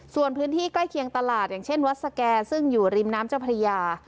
ส่วนพื้นที่ใกล้เคียงตลาดอย่างเช่นวัดสแก่ซึ่งอยู่ริมน้ำเจ้าพระยา